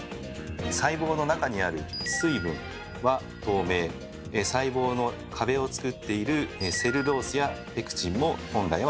細胞の中にある水分は透明細胞の壁を作っているセルロースやペクチンも本来は透明。